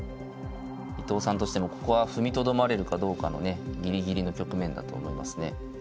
伊藤さんとしてもここは踏みとどまれるかどうかのねギリギリの局面だと思いますね。